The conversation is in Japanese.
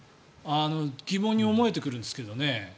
疑問に思えてくるんですけどね。